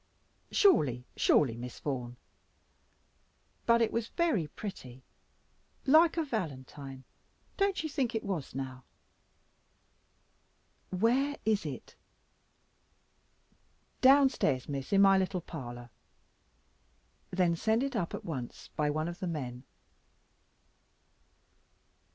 "Surely, surely, Miss Vaughan. But it was very pretty, like a valentine, don't you think it was now?" "Where is it?" "Downstairs, Miss, in my little parlour." "Then send it up at once, by one of the men."